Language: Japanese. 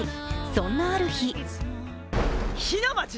そんなある日。